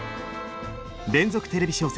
連続テレビ小説